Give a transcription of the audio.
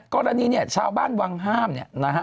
ก็อันนี้นี่ชาวบ้านวังห้ามเนี่ย